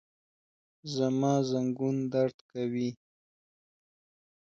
زما زنګون درد کوي